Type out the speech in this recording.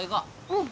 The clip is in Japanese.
うん。